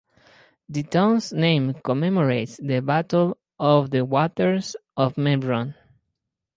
The town's name commemorates the Battle of the Waters of Merom.